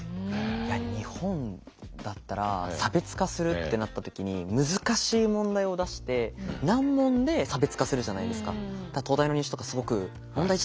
いや日本だったら差別化するってなった時に難しい問題を出して難問で差別化するじゃないですか。